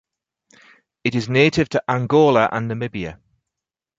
It is native to Angola and Namibia.